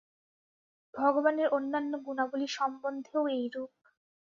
ভগবানের অন্যান্য গুণাবলী সম্বন্ধেও এইরূপ।